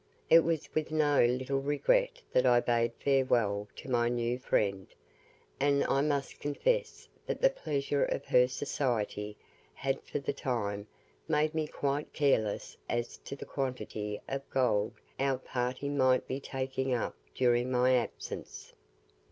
It was with no little regret that I bade farewell to my new friend, and I must confess that the pleasure of her society had for the time made me quite careless as to the quantity of gold our party might be taking up during my absence.